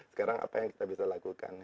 sekarang apa yang kita bisa lakukan